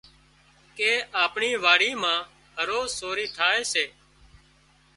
ڪي آپڻي واڙي مان هروز سوري ٿائي سي